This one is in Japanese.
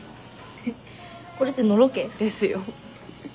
えっこれってのろけ？ですよ。